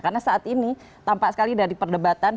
karena saat ini tampak sekali dari perdebatan